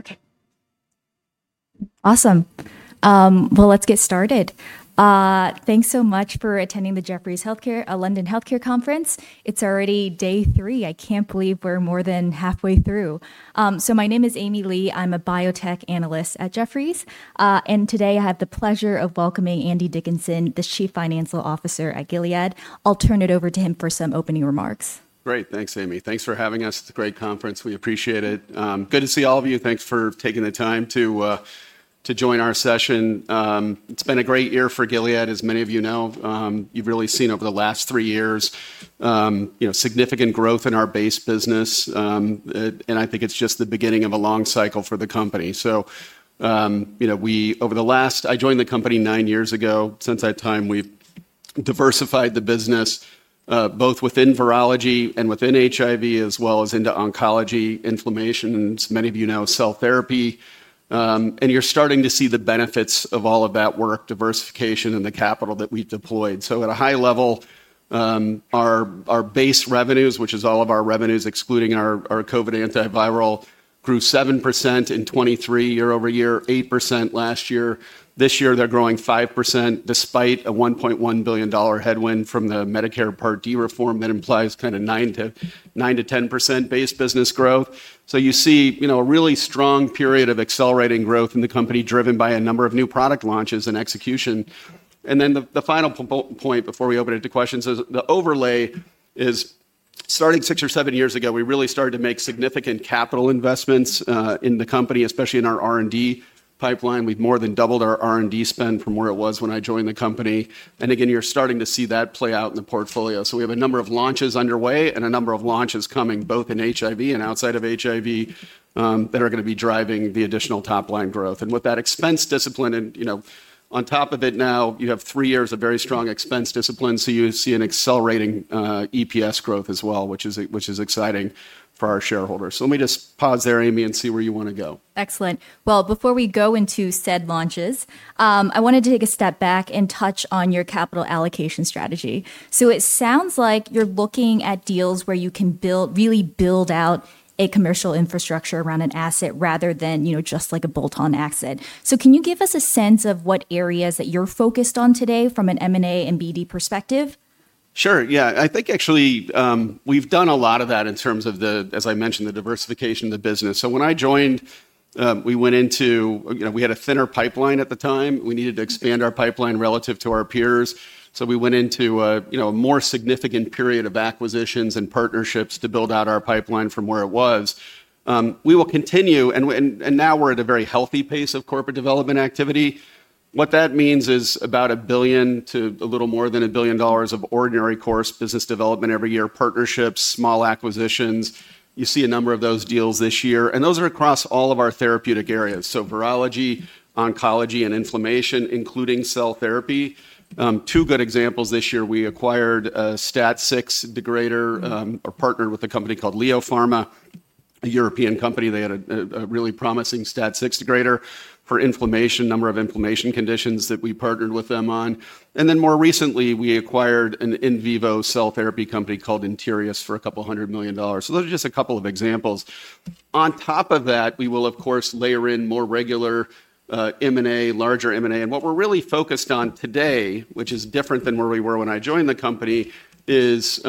Okay, awesome. Let's get started. Thanks so much for attending the Jefferies London Healthcare Conference. It's already day three. I can't believe we're more than halfway through. My name is Amy Li. I'm a biotech analyst at Jefferies. Today I have the pleasure of welcoming Andy Dickinson, the Chief Financial Officer at Gilead. I'll turn it over to him for some opening remarks. Great. Thanks, Amy. Thanks for having us. It's a great conference. We appreciate it. Good to see all of you. Thanks for taking the time to join our session. It's been a great year for Gilead, as many of you know. You've really seen over the last three years, significant growth in our base business. I think it's just the beginning of a long cycle for the company. I joined the company nine years ago. Since that time, we've diversified the business both within virology and within HIV, as well as into oncology, inflammation and as many of you know, cell therapy. You're starting to see the benefits of all of that work, diversification, and the capital that we've deployed. At a high level, our base revenues, which is all of our revenues, excluding our COVID antiviral, grew 7% in 2023, year-over-year, 8% last year. This year, they're growing 5% despite a $1.1 billion headwind from the Medicare Part D reform, that implies kind of 9%-10% base business growth. You see a really strong period of accelerating growth in the company, driven by a number of new product launches and execution. The final point before we open it to questions is, the overlay is starting six or seven years ago, we really started to make significant capital investments in the company, especially in our R&D pipeline. We've more than doubled our R&D spend from where it was when I joined the company. Again, you're starting to see that play out in the portfolio. We have a number of launches underway and a number of launches coming both in HIV and outside of HIV, that are going to be driving the additional top-line growth. With that expense discipline and on top of it now, you have three years of very strong expense discipline. You see an accelerating EPS growth as well, which is exciting for our shareholders. Let me just pause there, Amy and see where you want to go. Excellent. Before we go into said launches, I wanted to take a step back and touch on your capital allocation strategy. It sounds like you're looking at deals where you can really build out a commercial infrastructure around an asset rather than just like a bolt-on asset. Can you give us a sense of what areas that you're focused on today from an M&A and BD perspective? Sure, yeah. I think actually we've done a lot of that in terms of, as I mentioned, the diversification of the business. When I joined, we had a thinner pipeline at the time. We needed to expand our pipeline relative to our peers. We went into a more significant period of acquisitions and partnership, to build out our pipeline from where it was. We will continue, and now we're at a very healthy pace of corporate development activity. What that means is about $1 billion to a little more than $1 billion of ordinary course business development every year, partnerships, small acquisitions. You see a number of those deals this year. Those are across all of our therapeutic areas, so virology, oncology, and inflammation, including cell therapy. Two good examples this year, we acquired a STAT6 degrader or partnered with a company called LEO Pharma, a European company. They had a really promising STAT6 degrader for inflammation, a number of inflammation conditions that we partnered with them on. More recently, we acquired an in vivo cell therapy company called Interius for a couple hundred million dollars. Those are just a couple of examples. On top of that, we will of course layer in more regular M&A, larger M&A. What we're really focused on today, which is different than where we were when I joined the company, is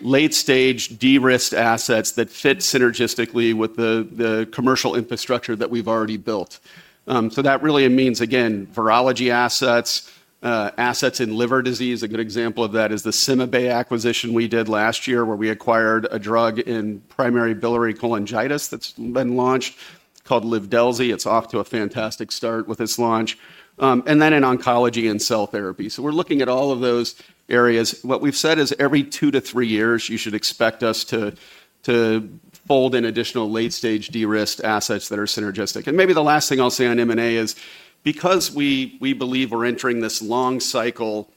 late-stage de-risked assets that fit synergistically with the commercial infrastructure that we've already built. That really means, again, virology assets, assets in liver disease. A good example of that is the CymaBay acquisition we did last year, where we acquired a drug in primary biliary cholangitis that's been launched called Livdelzi. It's off to a fantastic start with its launch and then in oncology and cell therapy. We're looking at all of those areas. What we've said is, every two to three years, you should expect us to fold in additional late-stage de-risked assets that are synergistic. Maybe the last thing I'll say on M&A is, because we believe we're entering this long cycle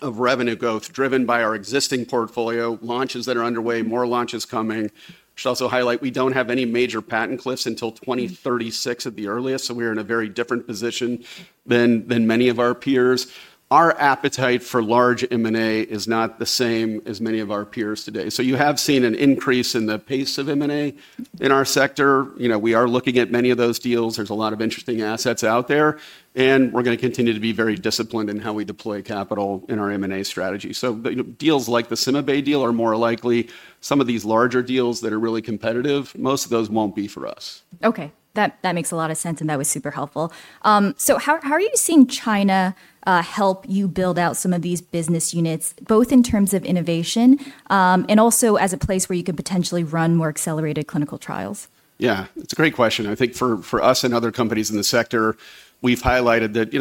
of revenue growth driven by our existing portfolio, launches that are underway, more launches coming, I should also highlight, we don't have any major patent cliffs until 2036 at the earliest. We're in a very different position than many of our peers. Our appetite for large M&A is not the same as many of our peers today. You have seen an increase in the pace of M&A in our sector. We are looking at many of those deals. There's a lot of interesting assets out there, and we're going to continue to be very disciplined in how we deploy capital in our M&A strategy. Deals like the CymaBay deal are more likely. Some of these larger deals that are really competitive, most of those won't be for us. Okay, that makes a lot of sense. That was super helpful. How are you seeing China help you build out some of these business units, both in terms of innovation and also as a place where you could potentially run more accelerated clinical trials? Yeah, it's a great question. I think for us and other companies in the sector, we've highlighted that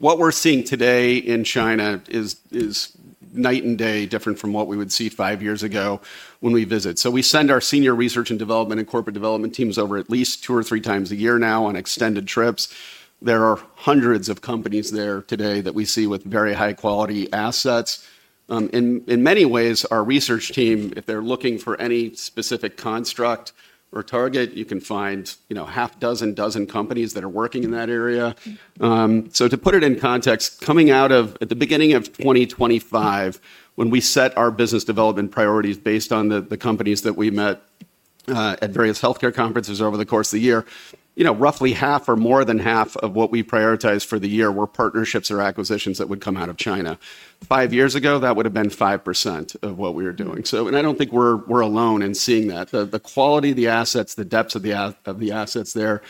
what we're seeing today in China is night and day different from what we would see five years ago when we visit. We send our senior research and development and corporate development teams over at least two or three times a year now, on extended trips. There are hundreds of companies there today that we see with very high-quality assets. In many ways, our research team, if they're looking for any specific construct or target, you can find half dozen, dozen companies that are working in that area. To put it in context, at the beginning of 2025, when we set our business development priorities based on the companies that we met at various healthcare conferences over the course of the year, roughly i/2 or more than 1/2 of what we prioritized for the year were partnerships or acquisitions that would come out of China. Five years ago, that would have been 5% of what we were doing. I do not think we are alone in seeing that. The quality of the assets, the depth of the assets there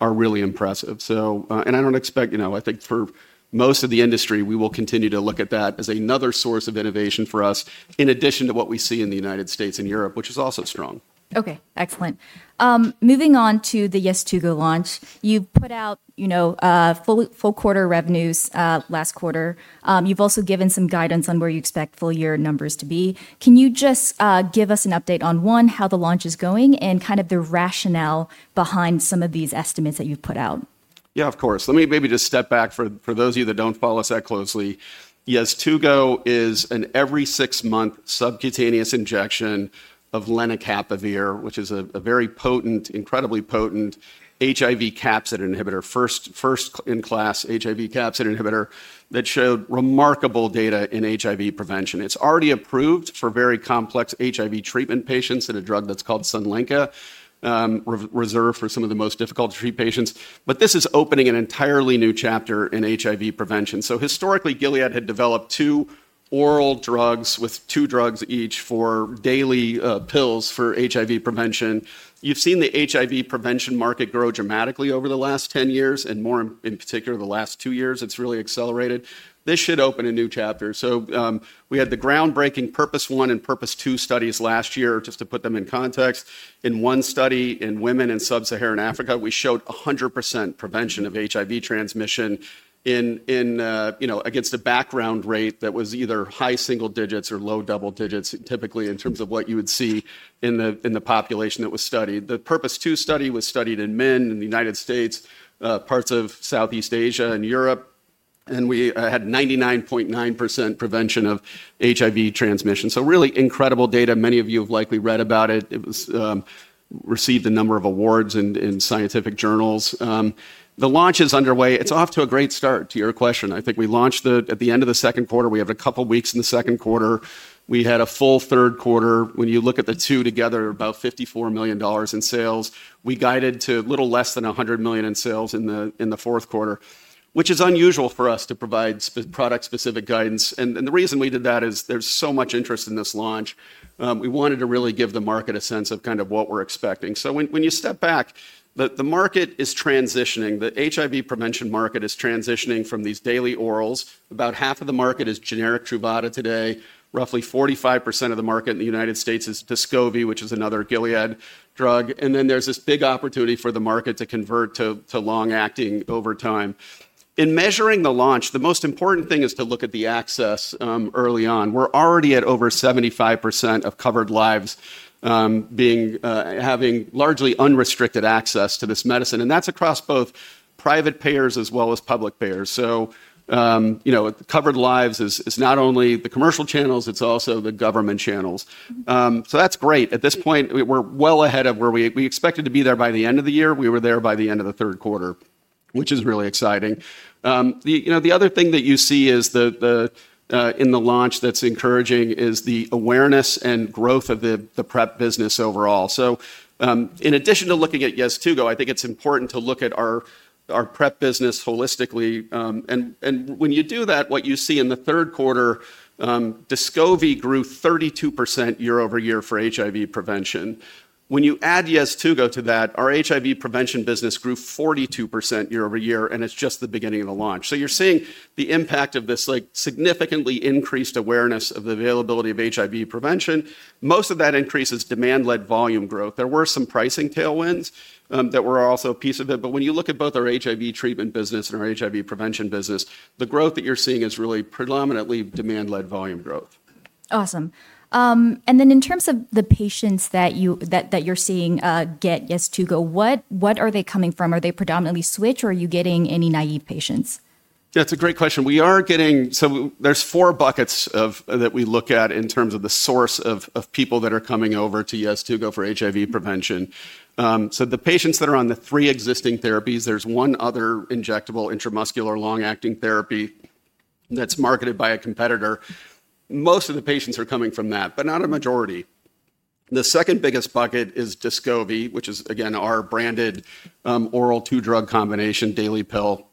are really impressive. I think for most of the industry, we will continue to look at that as another source of innovation for us, in addition to what we see in the United States and Europe, which is also strong. Okay, excellent. Moving on to the Yeztugo launch, you put out full-quarter revenues last quarter. You've also given some guidance on where you expect full-year numbers to be. Can you just give us an update on, one, how the launch is going and kind of the rationale behind some of these estimates that you've put out? Yeah, of course. Let me maybe just step back for those of you that don't follow us that closely. Yeztugo is an every six-month subcutaneous injection of lenacapavir, which is a very potent, incredibly potent HIV capsid inhibitor, first-in-class HIV capsid inhibitor that showed remarkable data in HIV prevention. It's already approved for very complex HIV treatment patients in a drug that's called Sunlenca, reserved for some of the most difficult to treat patients. This is opening an entirely new chapter in HIV prevention. Historically, Gilead had developed two oral drugs with two drugs each for daily pills for HIV prevention. You've seen the HIV prevention market grow dramatically over the last 10 years, and more in particular the last two years, it's really accelerated. This should open a new chapter. We had the groundbreaking PURPOSE 1 and PURPOSE 2 studies last year, just to put them in context. In one study in women in Sub-Saharan Africa, we showed 100% prevention of HIV transmission against a background rate that was either high single digits or low double digits, typically in terms of what you would see in the population that was studied. The PURPOSE 2 study was studied in men in the United States, parts of Southeast Asia and Europe. We had 99.9% prevention of HIV transmission. Really incredible data. Many of you have likely read about it. It received a number of awards in scientific journals. The launch is underway. It's off to a great start, to your question. I think we launched it at the end of the second quarter. We had a couple of weeks in the second quarter. We had a full third quarter. When you look at the two together, about $54 million in sales. We guided to a little less than $100 million in sales in the fourth quarter, which is unusual for us to provide product-specific guidance. The reason we did that is, there's so much interest in this launch. We wanted to really give the market a sense of kind of what we're expecting. When you step back, the market is transitioning. The HIV prevention market is transitioning from these daily orals. About 1/2 of the market is generic Truvada today. Roughly 45% of the market in the United States is Descovy, which is another Gilead drug. There is this big opportunity for the market to convert to long-acting over time. In measuring the launch, the most important thing is to look at the access early on. We're already at over 75% of covered lives, having largely unrestricted access to this medicine. That's across both private payers as well as public payers. Covered lives is not only the commercial channels, it's also the government channels, so that's great. At this point, we're well ahead, we expected to be there by the end of the year. We were there by the end of the third quarter, which is really exciting. The other thing that you see in the launch that's encouraging, is the awareness and growth of the PrEP business overall. In addition to looking at Yeztugo, I think it's important to look at our PrEP business holistically. When you do that, what you see in the third quarter, Descovy grew 32% year-over-year for HIV prevention. When you add Yeztugo to that, our HIV prevention business grew 42% year-over-year and it is just the beginning of the launch. You are seeing the impact of this significantly increased awareness of the availability of HIV prevention. Most of that increase is demand-led volume growth. There were some pricing tailwinds that were also a piece of it. When you look at both our HIV treatment business and our HIV prevention business, the growth that you are seeing is really predominantly demand-led volume growth. Awesome. In terms of the patients that you're seeing get Yeztugo, what are they coming from? Are they predominantly switch? Are you getting any naive patients? Yeah, it's a great question. There are four buckets that we look at in terms of the source of people that are coming over to Yeztugo for HIV prevention. The patients that are on the three existing therapies, there's one other injectable intramuscular long-acting therapy that's marketed by a competitor. Most of the patients are coming from that, but not a majority. The second biggest bucket is Descovy, which is again, our branded oral two-drug combination daily pill.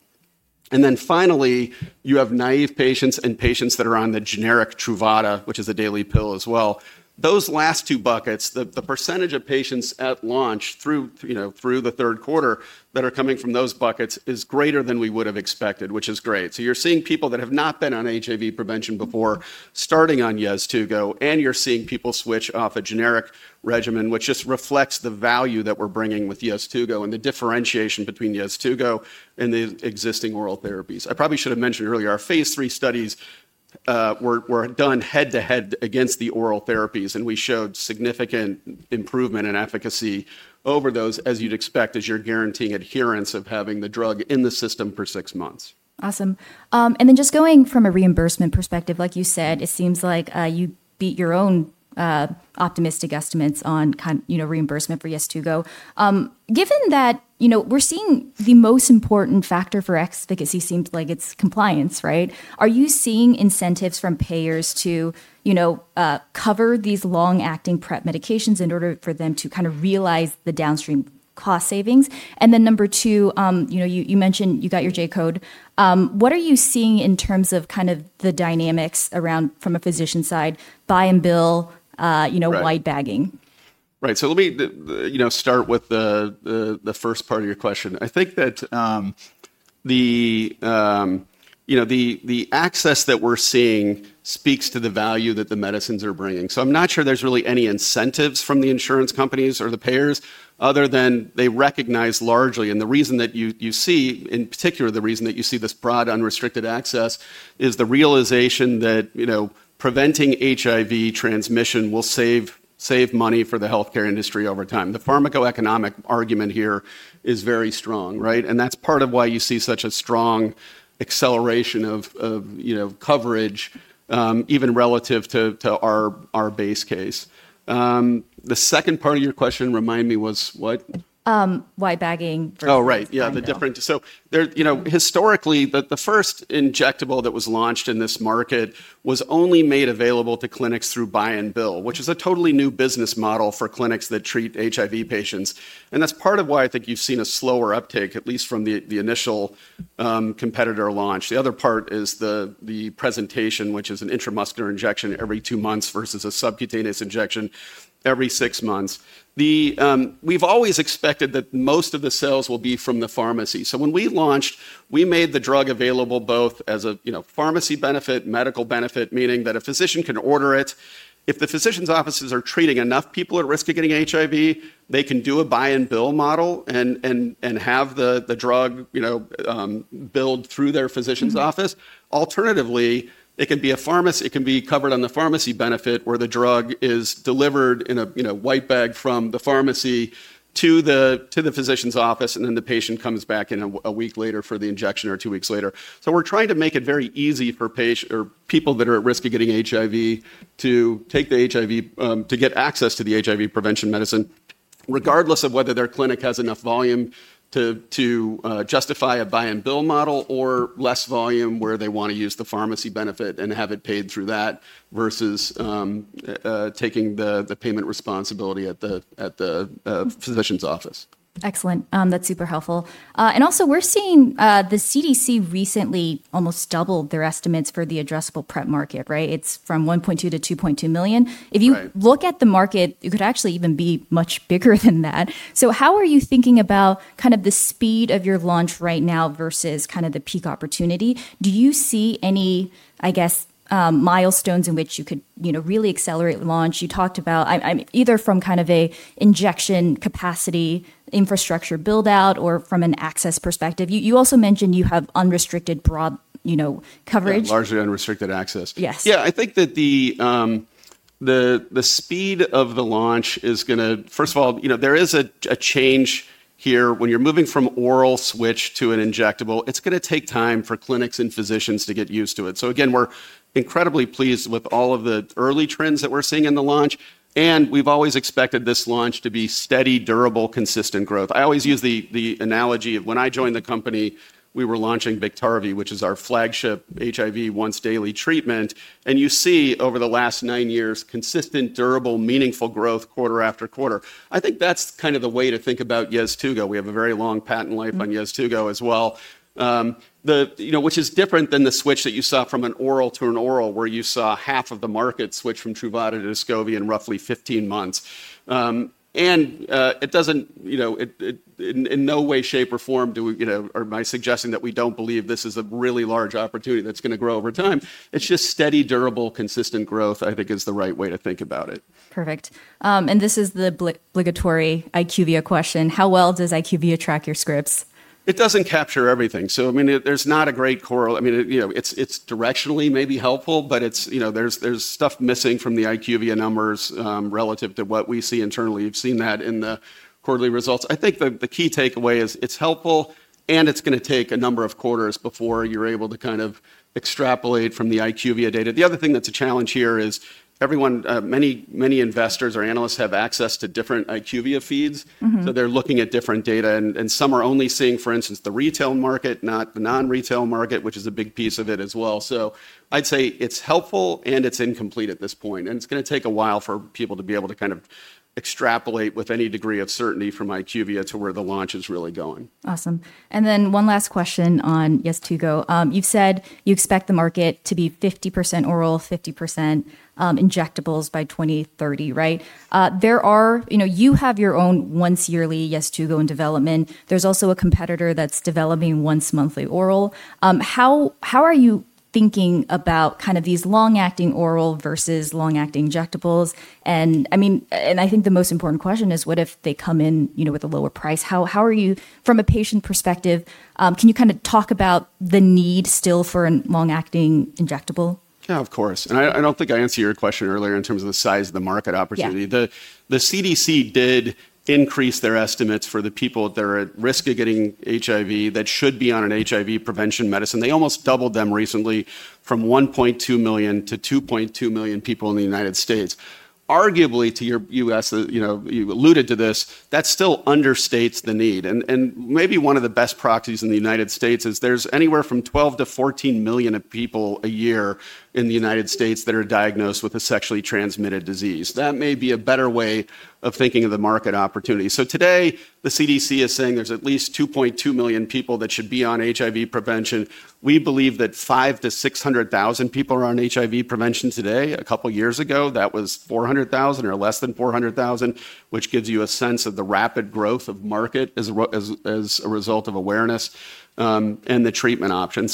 Finally, you have naive patients and patients that are on the generic Truvada, which is a daily pill as well. Those last two buckets, the percentage of patients at launch through the third quarter that are coming from those buckets is greater than we would have expected, which is great. You're seeing people that have not been on HIV prevention before starting on Yeztugo. You are seeing people switch off a generic regimen, which just reflects the value that we are bringing with Yeztugo, and the differentiation between Yeztugo and the existing oral therapies. I probably should have mentioned earlier, our phase III studies were done head-to-head against the oral therapies. We showed significant improvement in efficacy over those, as you would expect, as you are guaranteeing adherence of having the drug in the system for six months. Awesome. Just going from a reimbursement perspective, like you said, it seems like you beat your own optimistic estimates on reimbursement for Yeztugo. Given that we're seeing the most important factor for efficacy seems like it's compliance, right? Are you seeing incentives from payers to cover these long-acting PrEP medications in order for them to kind of realize the downstream cost savings? Number two, you mentioned you got your J-code. What are you seeing in terms of kind of the dynamics around, from a physician side, buy and bill, white-bagging? Right. Let me start with the first part of your question. I think that the access that we're seeing speaks to the value that the medicines are bringing. I'm not sure there's really any incentives from the insurance companies or the payers, other than they recognize largely in particular, the reason that you see this broad unrestricted access is the realization that preventing HIV transmission will save money for the healthcare industry over time. The pharmacoeconomic argument here is very strong, right? That's part of why you see such a strong acceleration of coverage, even relative to our base case. The second part of your question, remind me, was what? Wide-bagging. Oh, right. Yeah, the difference. Historically, the first injectable that was launched in this market was only made available to clinics through buy-and-bill, which is a totally new business model for clinics that treat HIV patients. That is part of why I think you've seen a slower uptake, at least from the initial competitor launch. The other part is the presentation, which is an intramuscular injection every two months versus a subcutaneous injection every six months. We've always expected that most of the sales will be from the pharmacy. When we launched, we made the drug available both as a pharmacy benefit, medical benefit, meaning that a physician can order it. If the physician's offices are treating enough people at risk of getting HIV, they can do a buy-and-bill model and have the drug billed through their physician's office. Alternatively, it can be a pharmacy. It can be covered on the pharmacy benefit where the drug is delivered in a white bag from the pharmacy to the physician's office, and then the patient comes back a week later for the injection or two weeks later. We are trying to make it very easy for people that are at risk of getting HIV to get access to the HIV prevention medicine, regardless of whether their clinic has enough volume to justify a buy-and-bill model or less volume where they want to use the pharmacy benefit and have it paid through that, versus taking the payment responsibility at the physician's office. Excellent, that's super helpful. Also, we're seeing, the CDC recently almost doubled their estimates for the addressable PrEP market, right? It's from 1.2 million-2.2 million. If you look at the market, it could actually even be much bigger than that. How are you thinking about kind of the speed of your launch right now versus kind of the peak opportunity? Do you see any, I guess, milestones in which you could really accelerate launch? You talked about, either from kind of an injection capacity infrastructure build-out or from an access perspective. You also mentioned you have unrestricted broad coverage. Largely unrestricted access. Yes. Yeah. I think that first of all, there is a change here. When you're moving from oral switch to an injectable, it's going to take time for clinics and physicians to get used to it. Again, we are incredibly pleased with all of the early trends that we're seeing in the launch, and we've always expected this launch to be steady, durable, consistent growth. I always use the analogy of, when I joined the company, we were launching Biktarvy, which is our flagship HIV once-daily treatment. You see over the last nine years, consistent, durable, meaningful growth quarter after quarter. I think that's kind of the way to think about Yeztugo. We have a very long patent life on Yeztugo as well, which is different than the switch that you saw from an oral to an oral, where you saw 1/2 of the market switch from Truvada to Descovy in roughly 15 months. In no way, shape, or form, am I suggesting that we do not believe this is a really large opportunity that is going to grow over time. It is just steady, durable, consistent growth, I think is the right way to think about it. Perfect, this is the [obligatory] IQVIA question. How well does IQVIA track your scripts? It doesn't capture everything. I mean, there's not a great [core]. I mean, it's directionally maybe helpful, but there's stuff missing from the IQVIA numbers relative to what we see internally. You've seen that in the quarterly results. I think the key takeaway is, it's helpful and it's going to take a number of quarters before you're able to kind of extrapolate from the IQVIA data. The other thing that's a challenge here is, many investors or analysts have access to different IQVIA feeds. They're looking at different data. Some are only seeing, for instance, the retail market, not the non-retail market, which is a big piece of it as well. I'd say it's helpful, and it's incomplete at this point. It is going to take a while for people to be able to kind of extrapolate with any degree of certainty from IQVIA, to where the launch is really going. Awesome, and then one last question on Yeztugo. You have said you expect the market to be 50% oral, 50% injectables by 2030, right? You have your own once-yearly Yeztugo in development. There is also a competitor that is developing a once-monthly oral. How are you thinking about these long-acting oral versus long-acting injectables? I think the most important question is, what if they come in with a lower price? From a patient perspective, can you talk about the need still for a long-acting injectable? Yeah, of course. I do not think I answered your question earlier in terms of the size of the market opportunity. The CDC did increase their estimates for the people that are at risk of getting HIV, that should be on an HIV prevention medicine. They almost doubled them recently, from 1.2 million-2.2 million people in the United States. Arguably, to U.S., you alluded to this, that still understates the need. Maybe one of the best proxies in the United States is, there is anywhere from 12 million-14 million people a year in the United States that are diagnosed with a sexually transmitted disease. That may be a better way of thinking of the market opportunity. Today, the CDC is saying there are at least 2.2 million people that should be on HIV prevention. We believe that 500,000-600,000 people are on HIV prevention today. A couple of years ago, that was 400,000 or less than 400,000, which gives you a sense of the rapid growth of the market as a result of awareness and the treatment option.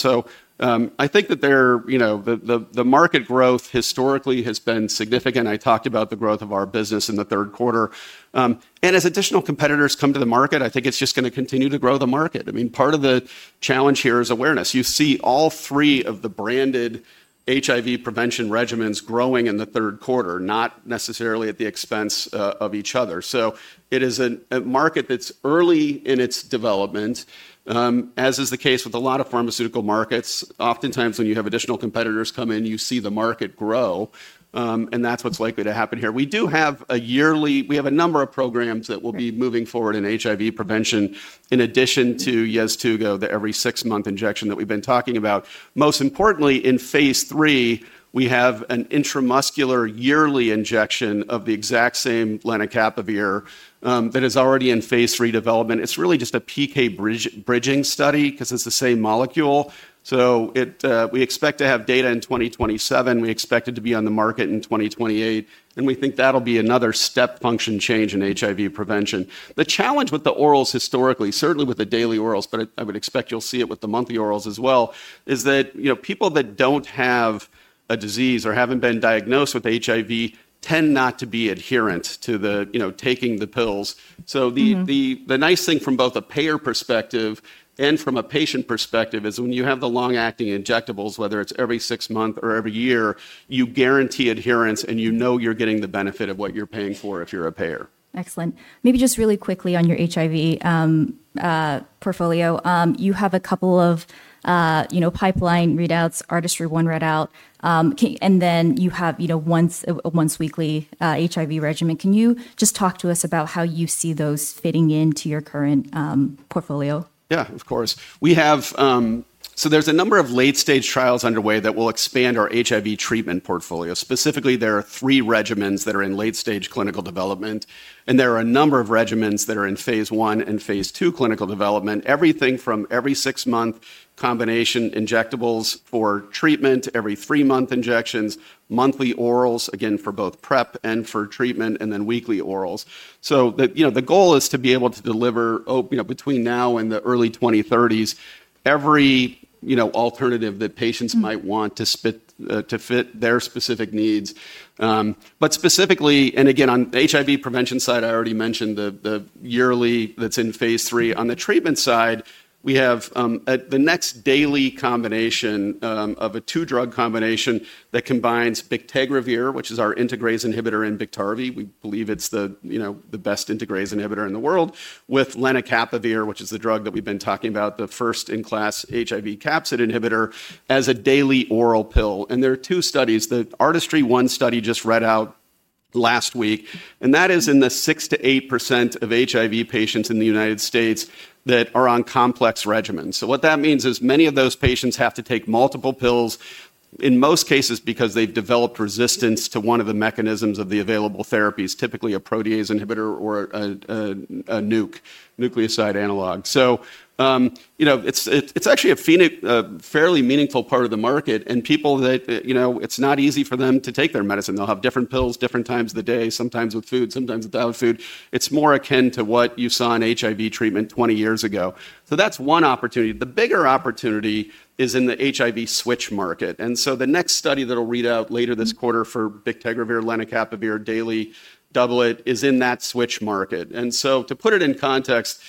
I think that the market growth historically has been significant. I talked about the growth of our business in the third quarter. As additional competitors come to the market, I think it's just going to continue to grow the market. I mean, part of the challenge here is awareness. You see all three of the branded HIV prevention regimens growing in the third quarter, not necessarily at the expense of each other. It is a market that's early in its development, as is the case with a lot of pharmaceutical markets. Oftentimes, when you have additional competitors come in, you see the market grow. That's what's likely to happen here. We have a number of programs that will be moving forward in HIV prevention, in addition to Yeztugo, the every six-month injection that we've been talking about. Most importantly, in phase III, we have an intramuscular yearly injection of the exact same lenacapavir that is already in phase III development. It's really just a PK bridging study because it's the same molecule. We expect to have data in 2027. We expect it to be on the market in 2028. We think that'll be another step function change in HIV prevention. The challenge with the orals historically, certainly with the daily orals, but I would expect you'll see it with the monthly orals as well, is that people that don't have a disease or haven't been diagnosed with HIV, tend not to be adherent to taking the pills. The nice thing from both a payer perspective and from a patient perspective is, when you have the long-acting injectables, whether it's every six months or every year, you guarantee adherence and you know you're getting the benefit of what you're paying for if you're a payer. Excellent. Maybe just really quickly on your HIV portfolio, you have a couple of pipeline readouts, ArdentryOne readout. You have a once-weekly HIV regimen. Can you just talk to us about how you see those fitting into your current portfolio? Yeah, of course. There is a number of late-stage trials underway that will expand our HIV treatment portfolio. Specifically, there are three regimens that are in late-stage clinical development. There are a number of regimens that are in phase I and phase II clinical development, everything from every six-month combination injectables for treatment, every three-month injections, monthly orals, again for both PrEP and for treatment, and then weekly orals. The goal is to be able to deliver between now and the early 2030s, every alternative that patients might want to fit their specific needs. Specifically, again, on the HIV prevention side, I already mentioned the yearly, that is in phase III. On the treatment side, we have the next daily combination of a two-drug combination that combines bictegravir, which is our integrase inhibitor in Biktarvy. We believe it's the best integrase inhibitor in the world, with lenacapavir, which is the drug that we've been talking about, the first-in-class HIV capsid inhibitor, as a daily oral pill. There are two studies. The ArdentryOne study just read out last week. That is in the 6%-8% of HIV patients in the United States that are on complex regimens. What that means is, many of those patients have to take multiple pills, in most cases because they've developed resistance to one of the mechanisms of the available therapies, typically a protease inhibitor or a nucleoside analog. It's actually a fairly meaningful part of the market. People, it's not easy for them to take their medicine. They'll have different pills, different times of the day, sometimes with food, sometimes without food. It's more akin to what you saw in HIV treatment 20 years ago. That's one opportunity. The bigger opportunity is in the HIV switch market. The next study that'll read out later this quarter for bictegravir, lenacapavir, daily doublet, is in that switch market. To put it in context,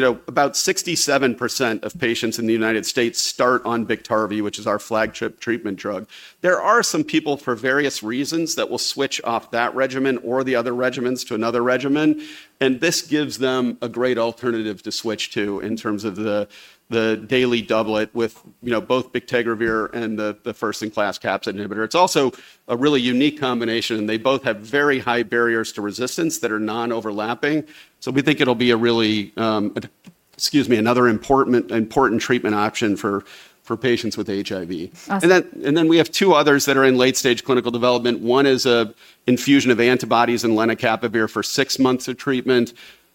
about 67% of patients in the United States start on Biktarvy, which is our flagship treatment drug. There are some people, for various reasons, that will switch off that regimen or the other regimens to another regimen. This gives them a great alternative to switch to in terms of the daily doublet with both bictegravir, and the first-in-class capsid inhibitor. It's also a really unique combination. They both have very high barriers to resistance that are non-overlapping. We think it'll be another important treatment option for patients with HIV. We have two others that are in late-stage clinical development. One is an infusion of antibodies and lenacapavir for six months of treatment.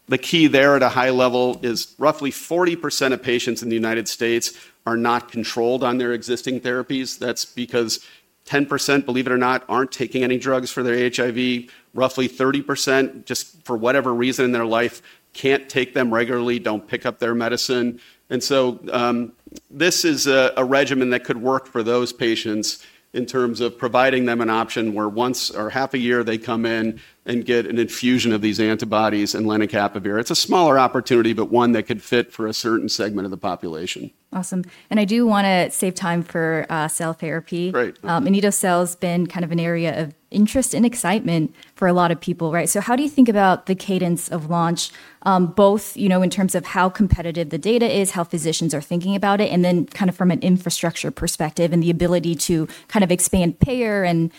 The key there at a high level is, roughly 40% of patients in the United States are not controlled on their existing therapies. That's because 10%, believe it or not, aren't taking any drugs for their HIV. Roughly 30%, just for whatever reason in their life, can't take them regularly, don't pick up their medicine. This is a regimen that could work for those patients in terms of providing them an option where once or half a year, they come in and get an infusion of these antibodies and lenacapavir. It's a smaller opportunity, but one that could fit for a certain segment of the population. Awesome. I do want to save time for cell therapy. Great. Anito-cel cells have been kind of an area of interest and excitement for a lot of people, right? How do you think about the cadence of launch, both in terms of how competitive the data is, how physicians are thinking about it, and then kind of from an infrastructure perspective and the ability to kind of expand payer, and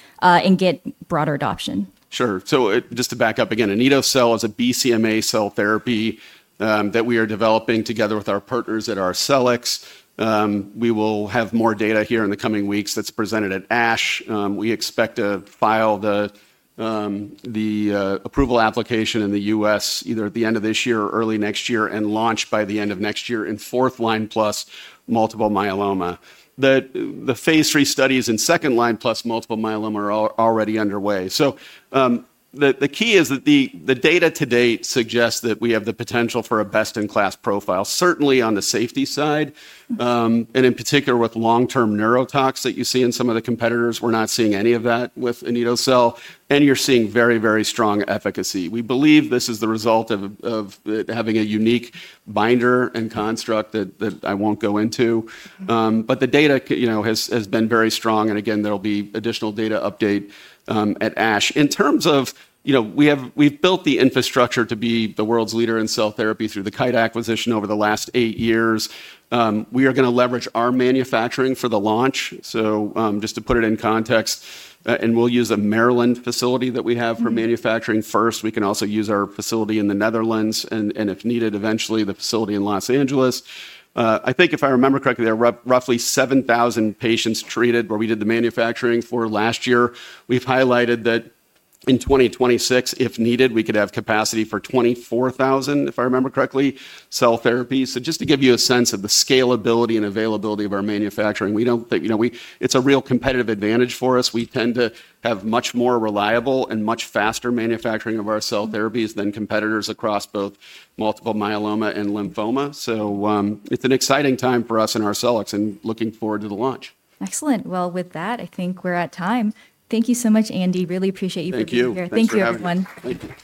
get broader adoption? Sure. Just to back up again, anito-cel is a BCMA cell therapy that we are developing together with our partners at Arcellx. We will have more data here in the coming weeks, that is presented at ASH. We expect to file the approval application in the U.S. either at the end of this year or early next year, and launch by the end of next year in fourth-line plus multiple myeloma. The phase III studies in second-line plus multiple myeloma are already underway. The key is that the data to date suggests that we have the potential for a best-in-class profile, certainly on the safety side. In particular, with long-term neurotox that you see in some of the competitors, we are not seeing any of that with anito-cel. You are seeing very, very strong efficacy. We believe this is the result of having a unique binder and construct that I won't go into. The data has been very strong. Again, there will be additional data update at ASH. In terms of, we've built the infrastructure to be the world's leader in cell therapy through the Kite acquisition over the last eight years. We are going to leverage our manufacturing for the launch. Just to put it in context, we'll use a Maryland facility that we have for manufacturing first. We can also use our facility in the Netherlands, and if needed, eventually the facility in Los Angeles. I think if I remember correctly, there are roughly 7,000 patients treated, where we did the manufacturing for last year. We've highlighted that in 2026, if needed, we could have capacity for 24,000, if I remember correctly, cell therapies. Just to give you a sense of the scalability and availability of our manufacturing, it's a real competitive advantage for us. We tend to have much more reliable and much faster manufacturing of our cell therapies than competitors across both multiple myeloma and lymphoma. It's an exciting time for us and Arcellx, and looking forward to the launch. Excellent. With that, I think we're at time. Thank you so much, Andy. Really appreciate you being here. Thank you. Thanks for having me. Thank you, everyone. Thank you.